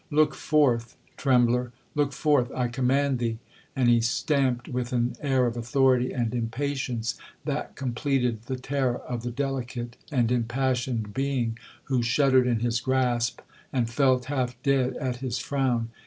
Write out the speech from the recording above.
Look forth, trembler—look forth,—I command thee!' And he stamped with an air of authority and impatience that completed the terror of the delicate and impassioned being who shuddered in his grasp, and felt half dead at his frown.